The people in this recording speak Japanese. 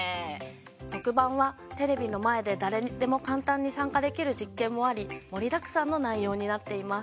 特番は、テレビの前で誰でも簡単に参加できる実験もあり、盛りだくさんの内容になっています。